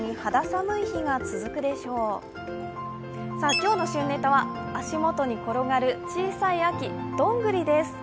今日の旬ネタは足元に転がる小さい秋、どんぐりです。